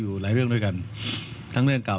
อยู่หลายเรื่องด้วยกันทั้งเรื่องเก่า